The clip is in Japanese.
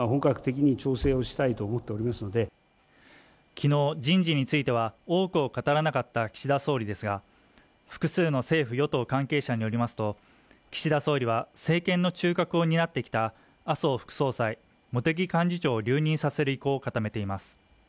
昨日人事については多くを語らなかった岸田総理ですが複数の政府・与党関係者によりますと岸田総理は政権の中核を担ってきた麻生副総裁茂木幹事長を留任させる意向を固めています